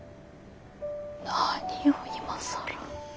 何を今更。